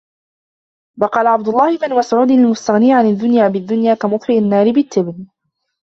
وَقَالَ عَبْدُ اللَّهِ بْنُ مَسْعُودٍ الْمُسْتَغْنِي عَنْ الدُّنْيَا بِالدُّنْيَا كَمُطْفِئِ النَّارِ بِالتِّبْنِ